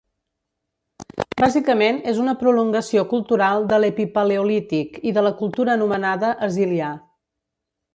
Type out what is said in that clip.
Bàsicament és una prolongació cultural de l'Epipaleolític i de la cultura anomenada Azilià.